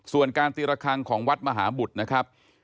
ส่วนการตีระคังของวัดมหาบุตรนะครับ